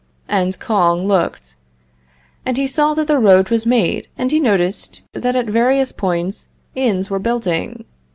And Kouang looked. And he saw that the road was made; and he noticed that at various points, inns were building.